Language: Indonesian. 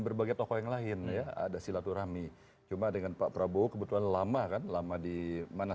berbagai tokoh yang lainnya ada silaturahmi cuma dengan pak prabowo kebetulan lama kan lama di mana